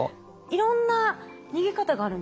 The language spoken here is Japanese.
いろんな逃げ方があるんですね。